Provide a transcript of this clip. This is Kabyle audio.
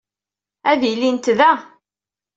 Ad ilint da.